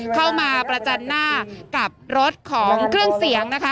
เข้ามาประจันหน้ากับรถของเครื่องเสียงนะคะ